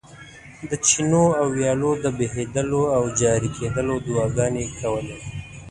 د چینو او ویالو د بهېدلو او جاري کېدلو دعاګانې کولې.